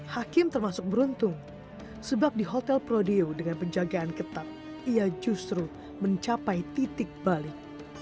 hakim termasuk beruntung sebab di hotel prodeo dengan penjagaan ketat ia justru mencapai titik balik